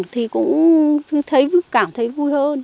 thì cũng cảm thấy vui hơn